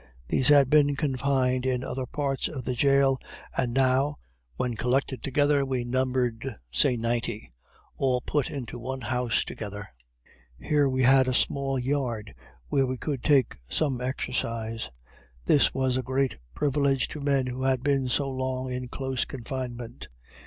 These had been confined in other parts of the jail, and now, when collected together, we numbered say ninety, all put into one house together. Here we had a small yard where we could take some exercise; this was a great privilege to men who had been so long in close confinement.